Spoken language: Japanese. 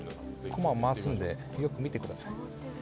コマ、回すんでよく見てください。